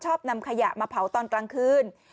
นำขยะมาเผาตอนกลางคืน